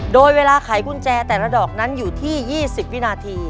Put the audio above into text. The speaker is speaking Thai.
โดยเวลาไขกุญแจแต่ละดอกนั้นอยู่ที่๒๐วินาที